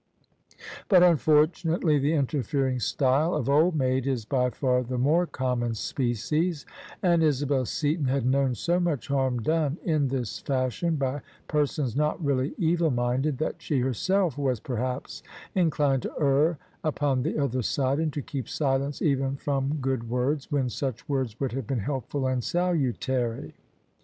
But imfortunately the interfering style of old maid is by far the more common species : and Isabel Seaton had known so much harm done in this fashion by persons not really evil minded, that she herself was perhaps inclined to err upon the other side and to keep silence even from good words, when such words would have been helpful and salutary.